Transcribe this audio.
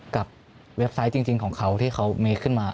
เว็บไซต์จริงของเขาที่เขามีขึ้นมา